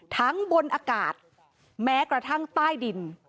บนอากาศแม้กระทั่งใต้ดิน